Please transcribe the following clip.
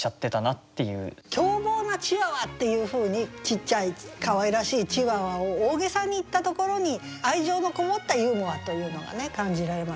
「凶暴なチワワ」っていうふうにちっちゃいかわいらしいチワワを大げさに言ったところに愛情のこもったユーモアというのがね感じられますよね。